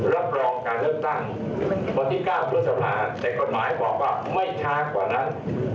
รับรองการเลือกตั้งวันที่๙พฤษภาแต่กฎหมายบอกว่าไม่ช้ากว่านั้น